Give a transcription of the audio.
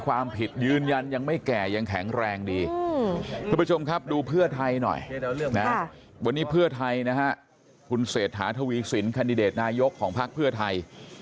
วันนี้เพื่อไทยนะฮะคุณเศรษฐาทวีสินคันดิเดตนายกของภาคเพื่อไทย